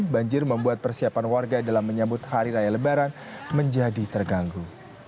banjir membuat persiapan warga dalam menyambut hari raya lebaran menjadi terganggu